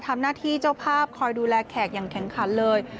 ทำหน้าที่เจ้าภาพคอยดูแลแขกอย่างแข็งขันเลย